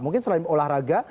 mungkin selain olahraga